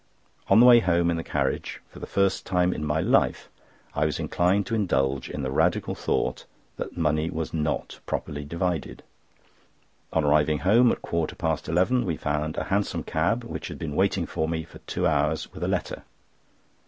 On the way home in the carriage, for the first time in my life, I was inclined to indulge in the radical thought that money was not properly divided. On arriving home at a quarter past eleven, we found a hansom cab, which had been waiting for me for two hours with a letter.